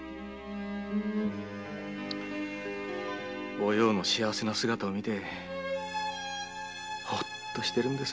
おようの幸せな姿を見てホッとしてるんです。